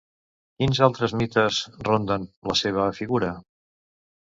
Quins altres mites ronden la seva figura?